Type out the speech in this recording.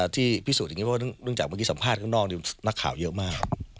ที่พิสูจน์นี้เพราะว่าเรื่องข้างนอกแนกข่าวเยอะมาก